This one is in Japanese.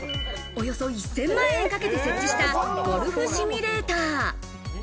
およそ１０００万円かけて設置したゴルフシミュレーター。